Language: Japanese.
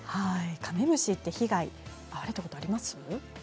カメムシの被害遭われたことありますか。